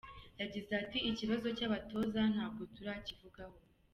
Yagize ati “Ikibazo cy’abatoza ntabwo turakivugaho.